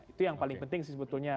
itu yang paling penting sih sebetulnya